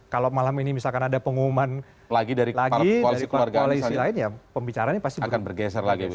kalau malam ini misalkan ada pengumuman lagi dari koalisi lain ya pembicaranya pasti bukan bergeser lagi